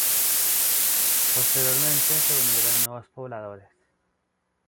Posteriormente se unieron nuevos pobladores.